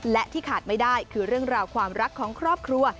และที่ขาดไม่ได้คือเรื่องราวความรักของครอบครัว